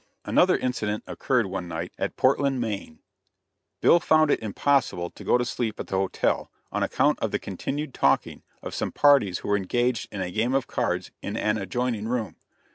Another incident occurred, one night, at Portland, Maine. Bill found it impossible to go to sleep at the hotel on account of the continued talking of some parties who were engaged in a game of cards in an adjoining room.